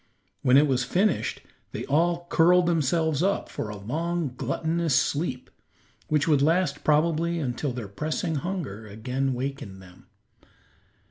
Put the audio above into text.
When it was finished, they all curled themselves up for a long, gluttonous sleep, which would last probably until their pressing hunger again awakened them.